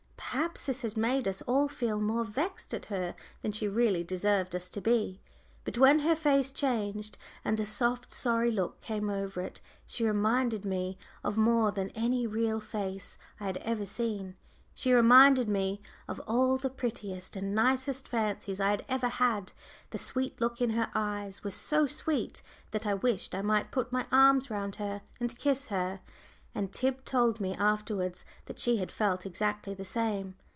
Perhaps this had made us all feel more vexed at her than she really deserved us to be. But when her face changed, and a soft, sorry look came over it, she reminded me of more than any real face I had ever seen she reminded me of all the prettiest and nicest fancies I had ever had; the sweet look in her eyes was so sweet, that I wished I might put my arms round her and kiss her. And Tib told me afterwards that she had felt exactly the same.